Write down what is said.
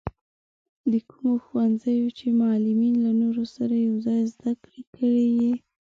په کومو ښوونځیو کې چې معلولين له نورو سره يوځای زده کړې کوي.